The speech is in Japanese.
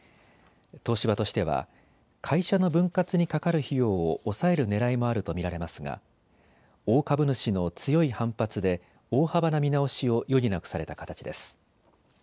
東芝としては会社の分割にかかる費用を抑えるねらいもあると見られますが大株主の強い反発で、大幅な見直しを余儀なくされた形です。